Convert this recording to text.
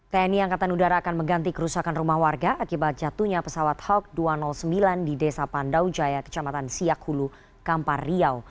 tni angkatan udara akan mengganti kerusakan rumah warga akibat jatuhnya pesawat hawk dua ratus sembilan di desa pandau jaya kecamatan siak hulu kampar riau